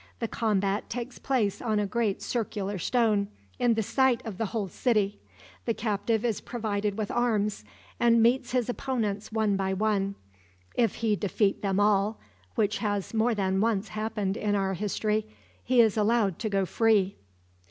The combat takes place on a great circular stone, in the sight of the whole city. The captive is provided with arms, and meets his opponents one by one. If he defeat them all which has more than once happened in our history he is allowed to go free."